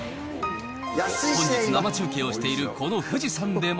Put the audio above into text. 本日、生中継をしているこの富士山でも。